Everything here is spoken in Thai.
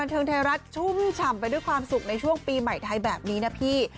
ทำไปด้วยความสุขในช่วงปีใหม่ไทยแบบนี้นะพี่